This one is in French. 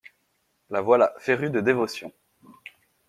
La voilà férue de dévotion.